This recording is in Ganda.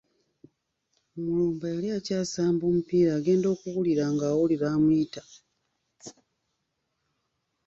Mulumba yali akyasamba omupiira yagenda okuwulira nga awulira amuyita.